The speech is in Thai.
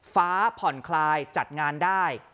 ฟ้าผ่อนคลายจัดงานได้